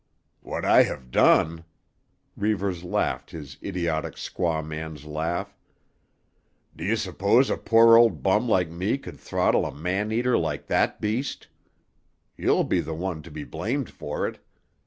"What I have done?" Reivers laughed his idiotic squaw man's laugh. "D'you suppose a poor old bum like me could throttle a man eater like that beast? You'll be the one to be blamed for it.